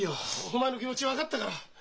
お前の気持ち分かったから！